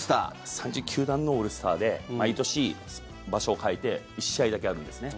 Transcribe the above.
３０球団のオールスターで毎年、場所を変えて１試合だけあるんですね。